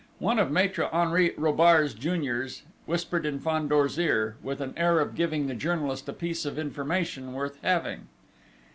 One of Maître Henri Robart's juniors whispered in Fandor's ear, with an air of giving the journalist a piece of information worth having.